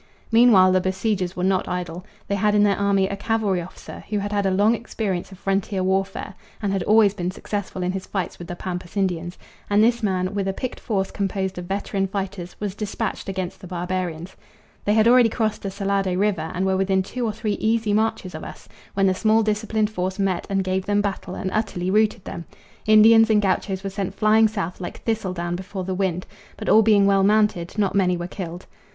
Meanwhile the besiegers were not idle: they had in their army a cavalry officer who had had a long experience of frontier warfare and had always been successful in his fights with the pampas Indians; and this man, with a picked force composed of veteran fighters, was dispatched against the barbarians. They had already crossed the Salado river and were within two or three easy marches of us, when the small disciplined force met and gave them battle and utterly routed them. Indians and gauchos were sent flying south like thistle down before the wind; but all being well mounted, not many were killed.